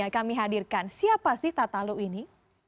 kami hadirkan siapa sih tatalo ini